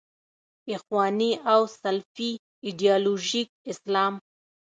اخواني او سلفي ایدیالوژیک اسلام.